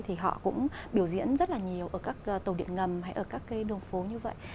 thì họ cũng biểu diễn rất là nhiều ở các tổ điện ngầm hay ở các cái đường phố như vậy